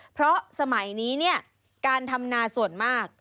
เพราะสมัยนี้เนี่ยการทำนาส่วนมาก